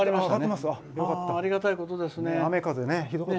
ありがたいことですね。